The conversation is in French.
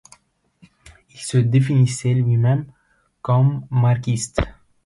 Il se définissait lui-même comme marxiste.